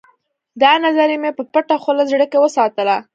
دا نظریه مې په پټه خوله زړه کې وساتله